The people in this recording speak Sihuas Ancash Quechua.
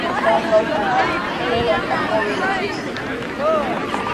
Qamkunami uqata muruyanki.